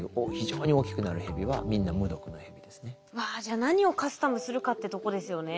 わじゃあ何をカスタムするかってとこですよね。